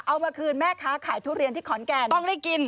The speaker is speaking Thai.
เอามาคืนแม่ค้าขายทุเรียนที่ขอนแก่น